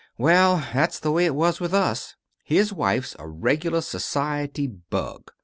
Well, that's the way it was with us. His wife's a regular society bug.